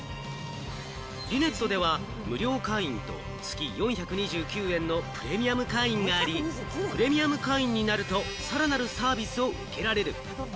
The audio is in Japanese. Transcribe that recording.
リネットでは無料会員と月４２９円のプレミアム会員があり、プレミアム会員になると、さらなるサービスを受けられる。